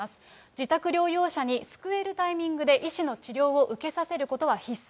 自宅療養者に救えるタイミングで医師の治療を受けさせることは必須。